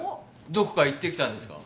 どこか行ってきたんですか？